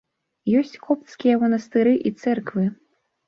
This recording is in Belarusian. Ёсць копцкія манастыры і цэрквы.